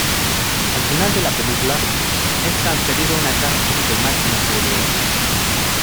Al final de la película, es transferido a una cárcel de máxima seguridad.